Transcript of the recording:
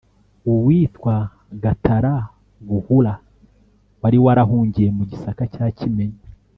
Uwitwa Gatarabuhura wari warahungiye mu Gisaka cya Kimenyi